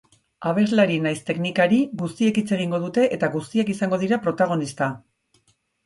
Abeslari nahiz teknikari, guztiekin hitz egingo dute eta guztiak izango dira protagonista.